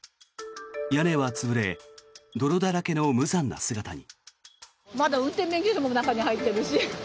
屋根は潰れ泥だらけの無残な姿に。